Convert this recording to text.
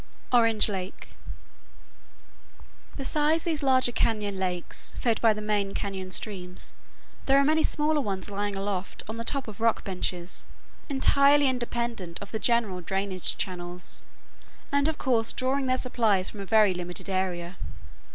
ORANGE LAKE Besides these larger cañon lakes, fed by the main cañon streams, there are many smaller ones lying aloft on the top of rock benches, entirely independent of the general drainage channels, and of course drawing their supplies from a very limited area.